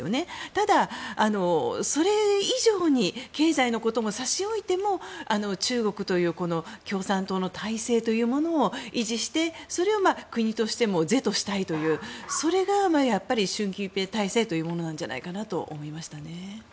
ただ、それ以上に経済のことも差し置いても中国という共産党の体制というものを維持してそれを国としても是としたいというそれが習近平体制というものなのではないかと思いました。